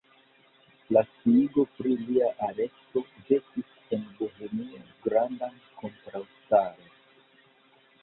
La sciigo pri lia aresto vekis en Bohemio grandan kontraŭstaron.